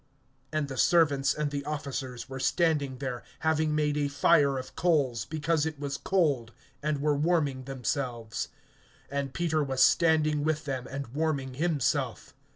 (18)And the servants and the officers were standing there, having made a fire of coals, because it was cold, and were warming themselves; and Peter was standing with them, and warming himself.